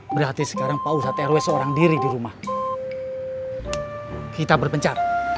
berarti sekarang pak ustadz rw seorang diri di rumah kita berpencar